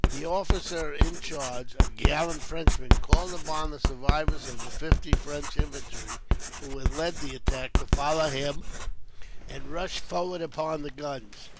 The officer in command, a gallant Frenchman, called upon the survivors of the fifty French infantry, who had led the attack, to follow him; and rushed forward upon the guns.